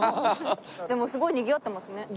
でもすごいにぎわってますね。